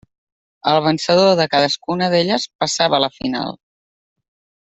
El vencedor de cadascuna d'elles passava a la final.